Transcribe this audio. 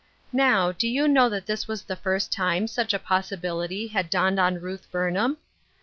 Now, do you know that this was the first time such a possibDity had dawned on Ruth Burnham